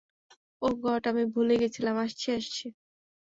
ওহ god, আমি ভুলেই গেছিলাম, আসছি, আসছি।